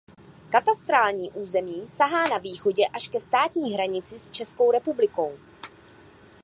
Katastrální území sahá na východě až ke státní hranici s Českou republikou.